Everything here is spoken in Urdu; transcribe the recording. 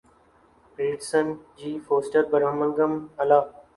پریسٹن جی فوسٹر برمنگھم الا